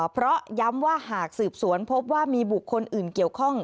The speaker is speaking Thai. เพราะย้ำว่าหากสืบสวนพบว่ามีบุคคลอื่นเกี่ยวข้อง